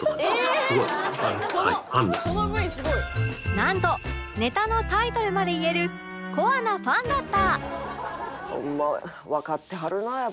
なんとネタのタイトルまで言えるコアなファンだった